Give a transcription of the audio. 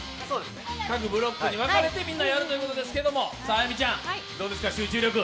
各ブロックに分かれてみんなやるということですけれどもあやみちゃん、どうですか集中力。